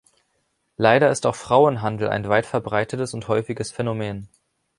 Leider ist auch Frauenhandel ein weit verbreitetes und häufiges Phänomen.